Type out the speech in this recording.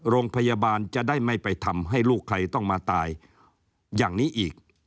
โรงพยาบาลจะได้ไม่ไปทำให้ลูกใครต้องมาตายอย่างนี้อีก